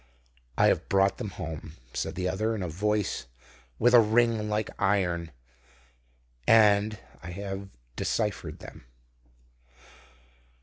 "I have brought them home," said the other, in a voice with a ring like iron; "and I have deciphered them."